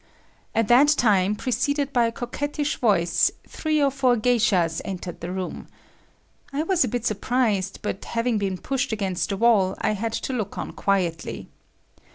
At that time, preceded by a coquetish voice, three or four geishas entered the room. I was a bit surprised, but having been pushed against the wall, I had to look on quietly.